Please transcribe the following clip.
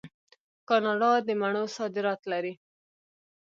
کاناډا د مڼو صادرات لري.